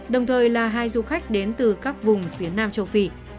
đồng thời là hai du khách đến từ các vùng phía nam châu phi